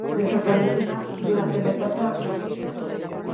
Desaparecería durante la etapa absolutista.